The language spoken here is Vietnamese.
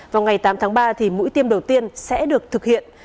vào ngày tám tháng ba thì mũi tiêm đầu tiên sẽ được thực hiện